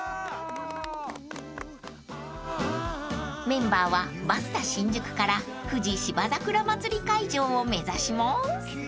［メンバーはバスタ新宿から富士芝桜まつり会場を目指します］